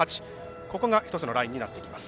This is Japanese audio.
ここが一つのラインになってきます。